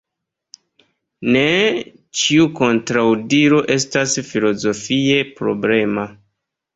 Ne ĉiu kontraŭdiro estas filozofie problema.